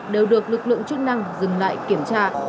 đều được lực lượng chức năng dừng lại kiểm tra